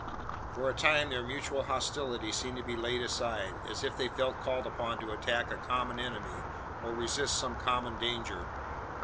For a time their mutual hostility seemed to be laid aside as if they felt called upon to attack a common enemy, or resist some common danger!